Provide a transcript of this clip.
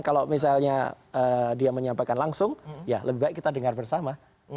kalau misalnya dia menyampaikan langsung ya lebih baik kita dengar bersama